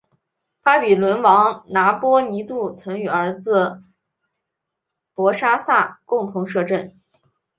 巴比伦王拿波尼度曾与儿子伯沙撒共同摄政。